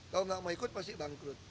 kalau nggak mau ikut pasti bangkrut